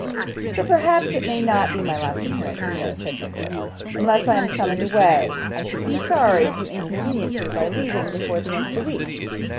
'But perhaps it may not be my last appearance, you know,' said Nicholas. 'Unless I am summoned away, I should be sorry to inconvenience you by leaving before the end of the week.